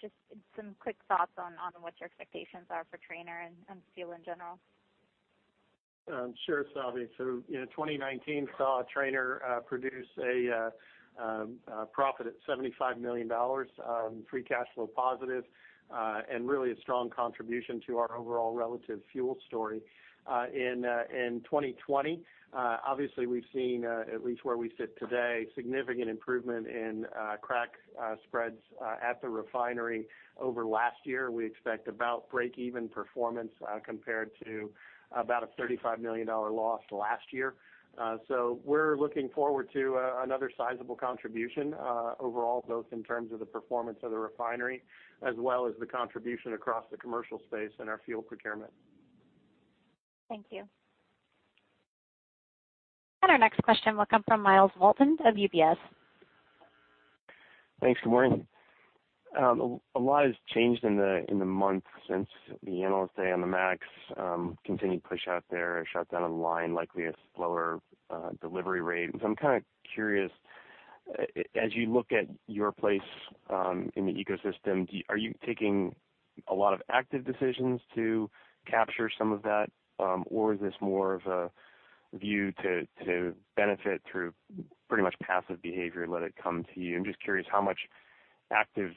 just some quick thoughts on what your expectations are for Trainer and fuel in general? Sure, Savi. 2019 saw Trainer produce a profit at $75 million, free cash flow positive, and really a strong contribution to our overall relative fuel story. In 2020, obviously we've seen, at least where we sit today, significant improvement in crack spreads at the refinery over last year. We expect about break-even performance compared to about a $35 million loss last year. We're looking forward to another sizable contribution overall, both in terms of the performance of the refinery as well as the contribution across the commercial space and our fuel procurement. Thank you. Our next question will come from Myles Walton of UBS. Thanks. Good morning. A lot has changed in the months since the analyst day on the MAX, continued push out there, a shutdown of the line, likely a slower delivery rate. I'm kind of curious, as you look at your place in the ecosystem, are you taking a lot of active decisions to capture some of that? Is this more of a view to benefit through pretty much passive behavior, let it come to you? I'm just curious how much active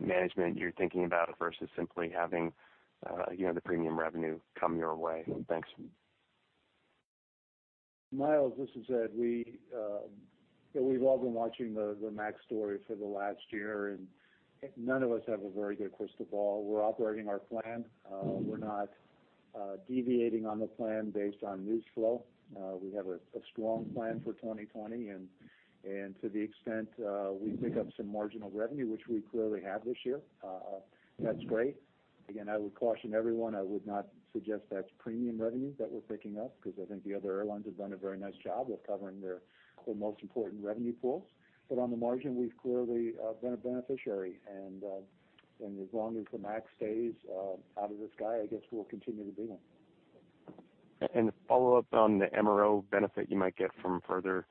management you're thinking about versus simply having the premium revenue come your way. Thanks. Myles, this is Ed. We've all been watching the MAX story for the last year. None of us have a very good crystal ball. We're operating our plan. We're not deviating on the plan based on news flow. We have a strong plan for 2020. To the extent we pick up some marginal revenue, which we clearly have this year, that's great. Again, I would caution everyone, I would not suggest that's premium revenue that we're picking up because I think the other airlines have done a very nice job of covering their most important revenue pools. On the margin, we've clearly been a beneficiary. As long as the MAX stays out of the sky, I guess we'll continue to be one. A follow-up on the MRO benefit you might get from further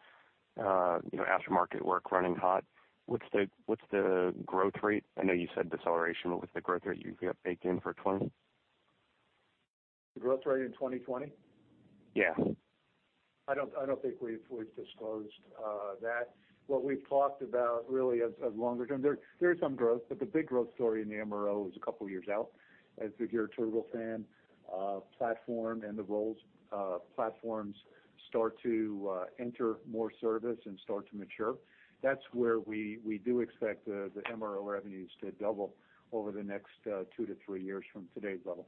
aftermarket work running hot. What's the growth rate? I know you said deceleration, but what's the growth rate you've got baked in for 2020? The growth rate in 2020? Yeah. I don't think we've disclosed that. What we've talked about really as longer term. There is some growth, but the big growth story in the MRO is a couple of years out as the geared turbofan platform and the Rolls platforms start to enter more service and start to mature. That's where we do expect the MRO revenues to double over the next two to three years from today's level.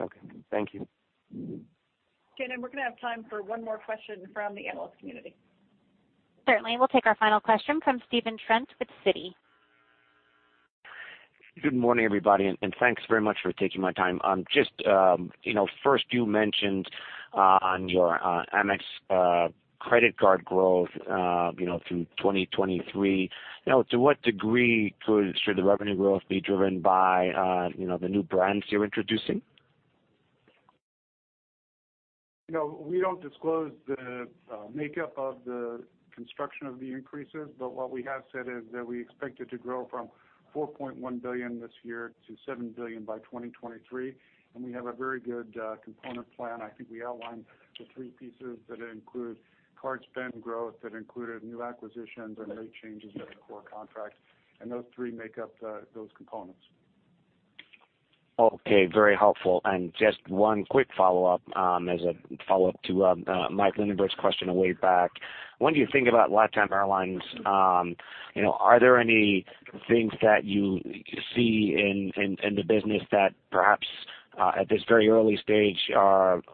Okay. Thank you. Ken, we're going to have time for one more question from the analyst community. Certainly. We'll take our final question from Stephen Trent with Citi. Good morning, everybody. Thanks very much for taking my time. First, you mentioned on your Amex credit card growth through 2023. To what degree should the revenue growth be driven by the new brands you're introducing? We don't disclose the makeup of the construction of the increases. What we have said is that we expect it to grow from $4.1 billion this year to $7 billion by 2023. We have a very good component plan. I think we outlined the three pieces that include card spend growth, that included new acquisitions, and rate changes in the core contract. Those three make up those components. Okay, very helpful. Just one quick follow-up as a follow-up to Mike Linenberg's question a way back. When you think about LATAM Airlines, are there any things that you see in the business that perhaps at this very early stage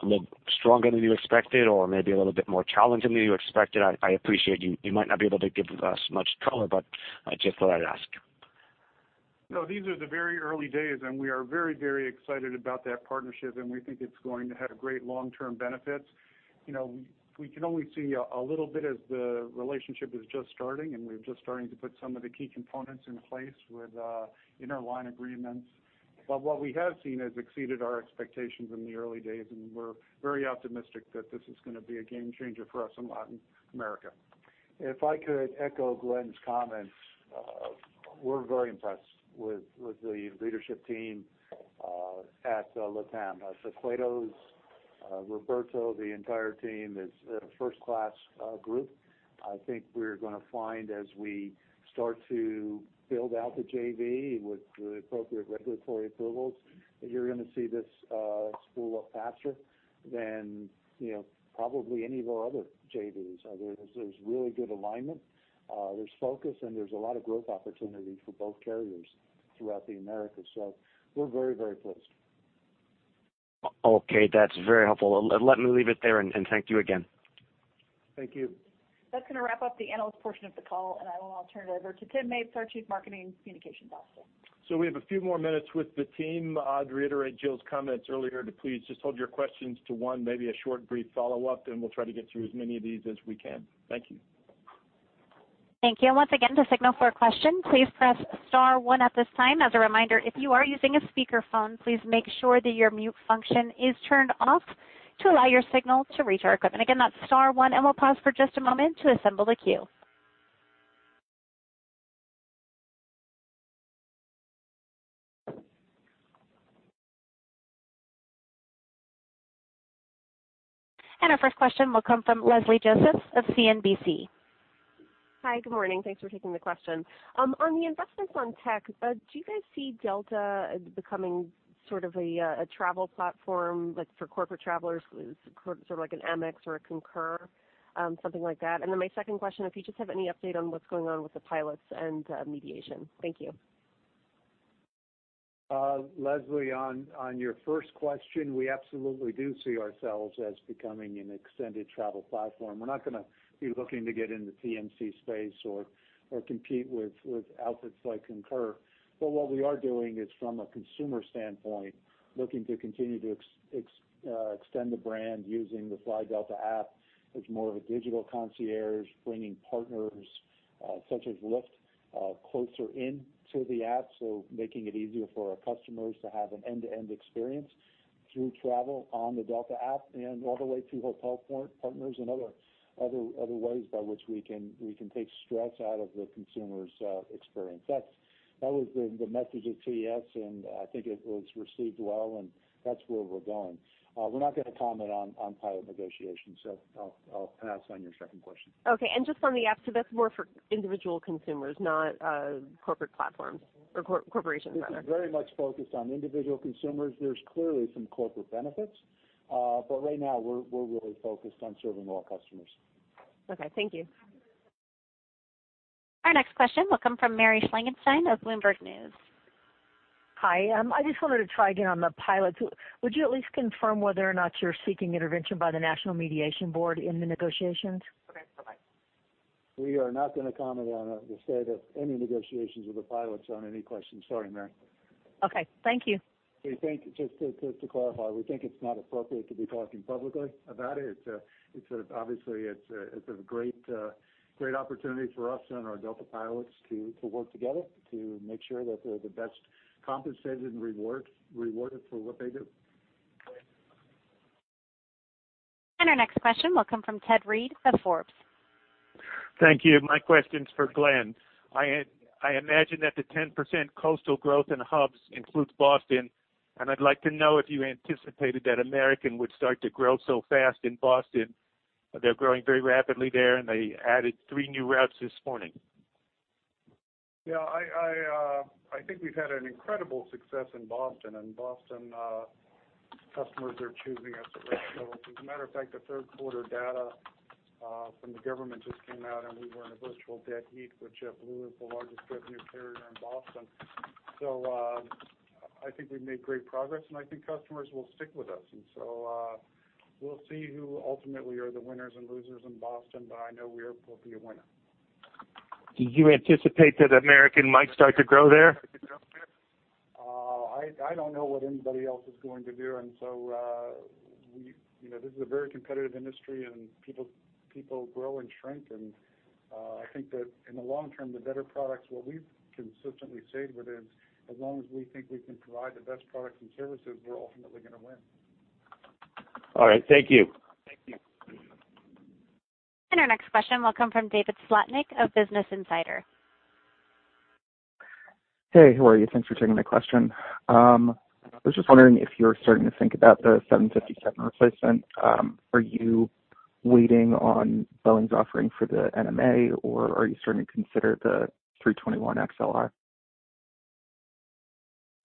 look stronger than you expected or maybe a little bit more challenging than you expected? I appreciate you might not be able to give us much color, but I just thought I'd ask. No, these are the very early days and we are very excited about that partnership, and we think it's going to have great long-term benefits. We can only see a little bit as the relationship is just starting, and we're just starting to put some of the key components in place with interline agreements. What we have seen has exceeded our expectations in the early days, and we're very optimistic that this is going to be a game changer for us in Latin America. If I could echo Glen's comments. We're very impressed with the leadership team at LATAM. The Cueto, Roberto, the entire team is a first-class group. I think we're going to find as we start to build out the JV with the appropriate regulatory approvals, that you're going to see this spool up faster than probably any of our other JVs. There's really good alignment. There's focus, there's a lot of growth opportunity for both carriers throughout the Americas. We're very pleased. Okay, that's very helpful. Let me leave it there and thank you again. Thank you. That's going to wrap up the analyst portion of the call, and I will now turn it over to Tim Mapes, our Chief Marketing & Communications Officer. We have a few more minutes with the team. I'd reiterate Jill's comments earlier to please just hold your questions to one, maybe a short, brief follow-up, and we'll try to get through as many of these as we can. Thank you. Thank you. Once again, to signal for a question, please press *1 at this time. As a reminder, if you are using a speakerphone, please make sure that your mute function is turned off to allow your signal to reach our equipment. Again, that's *1, we'll pause for just a moment to assemble the queue. Our first question will come from Leslie Josephs of CNBC. Hi. Good morning. Thanks for taking the question. On the investments on tech, do you guys see Delta becoming sort of a travel platform, like for corporate travelers, sort of like an Amex or a Concur, something like that? My second question, if you just have any update on what's going on with the pilots and mediation. Thank you. Leslie, on your first question, we absolutely do see ourselves as becoming an extended travel platform. We're not going to be looking to get in the TMC space or compete with outlets like Concur. What we are doing is from a consumer standpoint, looking to continue to extend the brand using the Fly Delta app as more of a digital concierge, bringing partners such as Lyft closer into the app. Making it easier for our customers to have an end-to-end experience through travel on the Delta app and all the way to hotel partners and other ways by which we can take stress out of the consumer's experience. That was the message at CES, and I think it was received well, and that's where we're going. We're not going to comment on pilot negotiations. I'll pass on your second question. Okay. Just on the app, that's more for individual consumers, not corporate platforms or corporations, rather. It's very much focused on individual consumers. There's clearly some corporate benefits. Right now we're really focused on serving all customers. Okay. Thank you. Our next question will come from Mary Schlangenstein of Bloomberg News. Hi. I just wanted to try again on the pilots. Would you at least confirm whether or not you're seeking intervention by the National Mediation Board in the negotiations? We are not going to comment on the state of any negotiations with the pilots on any questions. Sorry, Mary. Okay. Thank you. Just to clarify, we think it's not appropriate to be talking publicly about it. Obviously, it's a great opportunity for us and our Delta pilots to work together to make sure that they're the best compensated and rewarded for what they do. Our next question will come from Ted Reed of Forbes. Thank you. My question's for Glen. I imagine that the 10% coastal growth in hubs includes Boston, and I'd like to know if you anticipated that American would start to grow so fast in Boston. They're growing very rapidly there, and they added three new routes this morning. Yeah, I think we've had an incredible success in Boston. In Boston, customers are choosing us at record levels. As a matter of fact, the third quarter data from the government just came out, and we were in a virtual dead heat with JetBlue, who is the largest revenue carrier in Boston. I think we've made great progress, and I think customers will stick with us. We'll see who ultimately are the winners and losers in Boston, but I know we'll be a winner. Do you anticipate that American might start to grow there? I don't know what anybody else is going to do. This is a very competitive industry, and people grow and shrink. I think that in the long term, the better products, what we've consistently stayed with is, as long as we think we can provide the best products and services, we're ultimately going to win. All right. Thank you. Thank you. Our next question will come from David Slotnick of Business Insider. Hey, how are you? Thanks for taking my question. I was just wondering if you're starting to think about the 757 replacement. Are you waiting on Boeing's offering for the NMA, or are you starting to consider the A321XLR?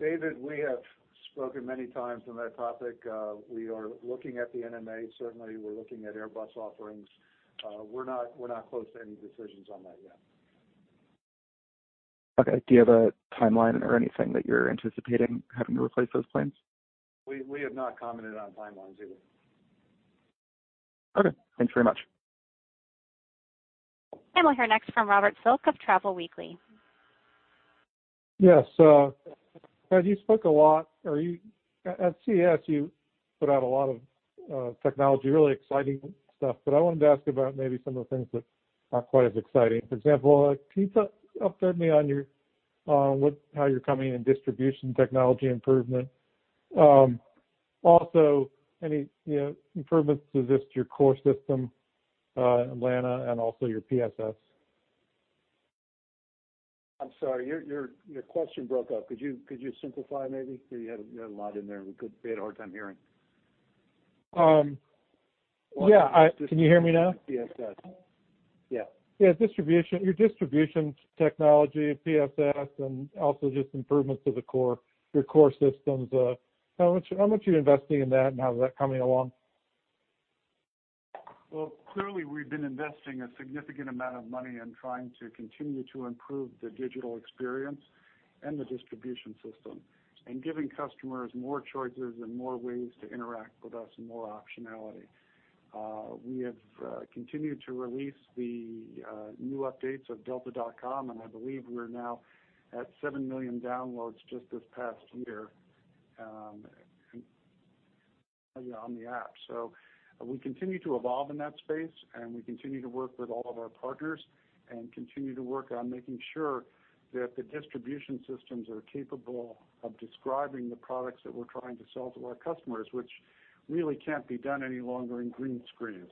David, we have spoken many times on that topic. We are looking at the NMA. Certainly, we're looking at Airbus offerings. We're not close to any decisions on that yet. Okay. Do you have a timeline or anything that you're anticipating having to replace those planes? We have not commented on timelines either. Okay. Thanks very much. We'll hear next from Robert Silk of Travel Weekly. Yes. Ed, at CES, you put out a lot of technology, really exciting stuff. I wanted to ask about maybe some of the things that are not quite as exciting. For example, can you update me on how you're coming in distribution technology improvement? Also, any improvements to just your core system, Atlanta, and also your PSS? I'm sorry, your question broke up. Could you simplify maybe? You had a lot in there. We had a hard time hearing. Yeah. Can you hear me now? PSS. Yeah. Yeah. Your distribution technology, PSS, and also just improvements to your core systems, how much are you investing in that, and how is that coming along? Well, clearly, we've been investing a significant amount of money in trying to continue to improve the digital experience and the distribution system and giving customers more choices and more ways to interact with us and more optionality. We have continued to release the new updates of delta.com, and I believe we're now at 7 million downloads just this past year on the app. We continue to evolve in that space, and we continue to work with all of our partners and continue to work on making sure that the distribution systems are capable of describing the products that we're trying to sell to our customers, which really can't be done any longer in green screens.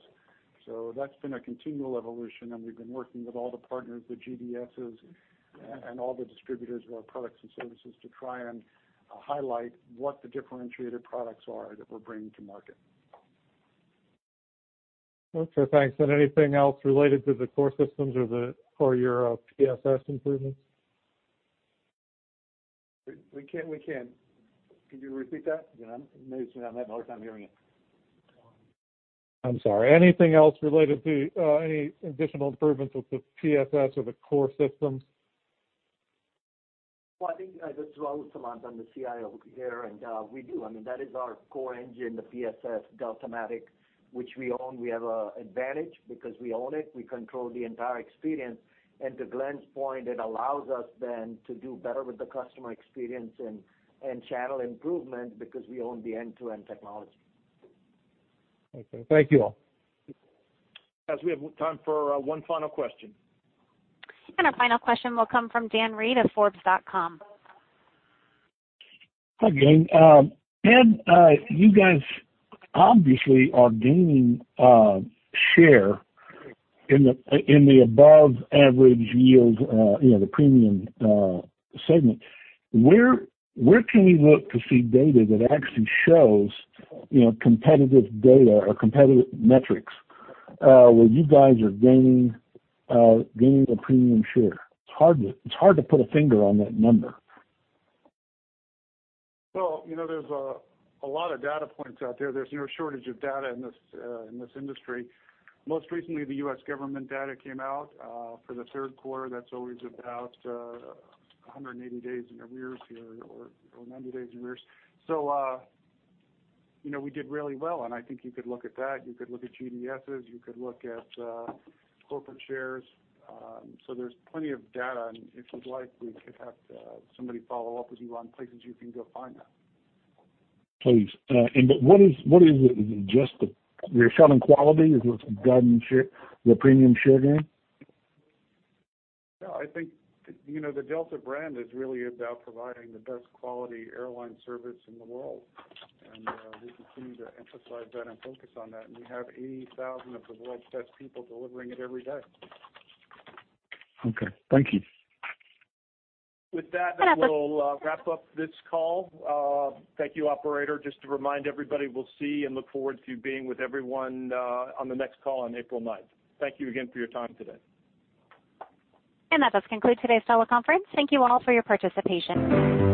That's been a continual evolution, and we've been working with all the partners, the GDSs, and all the distributors of our products and services to try and highlight what the differentiated products are that we're bringing to market. Okay, thanks. Anything else related to the core systems or your PSS improvements? Can you repeat that? Maybe it's me. I'm having a hard time hearing it. I'm sorry. Anything else related to any additional improvements with the PSS or the core systems? I think, it's Rahul Samant, I'm the CIO here, and we do. I mean, that is our core engine, the PSS, Deltamatic, which we own. We have an advantage because we own it. We control the entire experience. To Glen's point, it allows us then to do better with the customer experience and channel improvement because we own the end-to-end technology. Okay. Thank you all. Guys, we have time for one final question. Our final question will come from Dan Reed of forbes.com. Hi, gang. Ed, you guys obviously are gaining share in the above average yield, the premium segment. Where can we look to see data that actually shows competitive data or competitive metrics where you guys are gaining the premium share? It's hard to put a finger on that number. Well, there's a lot of data points out there. There's no shortage of data in this industry. Most recently, the U.S. government data came out for the third quarter. That's always about 180 days in arrears here or 90 days in arrears. We did really well, and I think you could look at that. You could look at GDSs. You could look at corporate shares. There's plenty of data, and if you'd like, we could have somebody follow up with you on places you can go find that. Please. What is it? Is it just your shopping quality? Is that what's driving your premium share gain? Yeah, I think the Delta brand is really about providing the best quality airline service in the world, and we continue to emphasize that and focus on that, and we have 80,000 of the world's best people delivering it every day. Okay. Thank you. With that, I think we'll wrap up this call. Thank you, operator. Just to remind everybody, we'll see and look forward to being with everyone on the next call on April 9th. Thank you again for your time today. That does conclude today's teleconference. Thank you all for your participation.